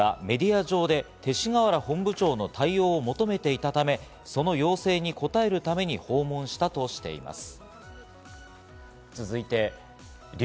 教団側は本人がメディア上で勅使河原本部長の対応を求めていたため、その要請にこたえるために訪問したとしています。